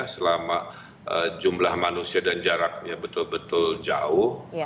selama jumlah manusia dan jaraknya betul betul jauh